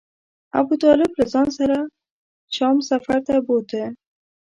ابو طالب له ځان سره شام سفر ته بوته.